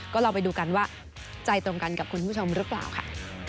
ก็ลองไปดูกันว่าใจตรงกันกับคุณผู้ชมหรือเปล่าค่ะ